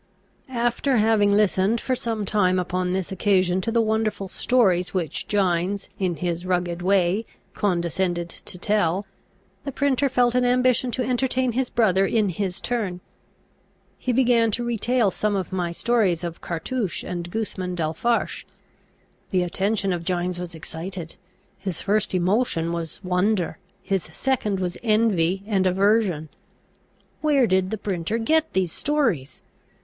After having listened for some time upon this occasion to the wonderful stories which Gines, in his rugged way, condescended to tell, the printer felt an ambition to entertain his brother in his turn. He began to retail some of my stories of Cartouche and Gusman d'Alfarache. The attention of Gines was excited. His first emotion was wonder; his second was envy and aversion. Where did the printer get these stories?